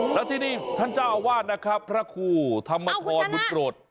แล้วที่นี่ท่านเจ้าอาวาสนะครับพระครูธรรมทรบุญโปรด